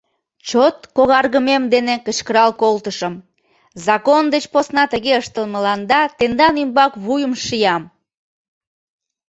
Чот когаргымем дене кычкырал колтышым: «Закон деч посна тыге ыштылмыланда тендан ӱмбак вуйым шиям».